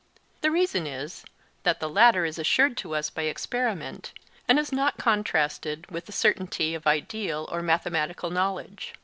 The reason is that the latter is assured to us by experiment, and is not contrasted with the certainty of ideal or mathematical knowledge.